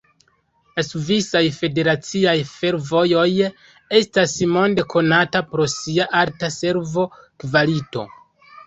La Svisaj Federaciaj Fervojoj estas monde konata pro sia alta servo-kvalito.